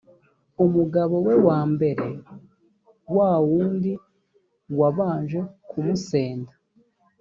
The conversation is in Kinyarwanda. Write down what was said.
umugabo we wa mbere, wa wundi wabanje kumusenda,